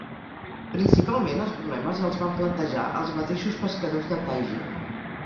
Principalment els problemes els van plantejar els mateixos pescadors de Taiji.